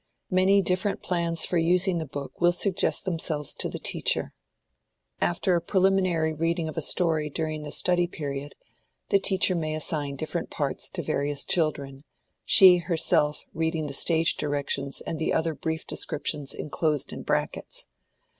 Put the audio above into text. Many different plans for using the book will suggest themselves to the teacher. After a preliminary reading of a story during the study period, the teacher may assign different parts to various children, she herself reading the stage directions and the other brief descriptions inclosed in brackets.